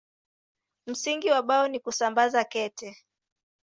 Msingi wa Bao ni kusambaza kete.